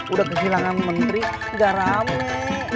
udah kehilangan menteri gak rame